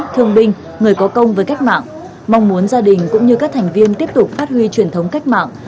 thương binh người có công với cách mạng mong muốn gia đình cũng như các thành viên tiếp tục phát huy truyền thống cách mạng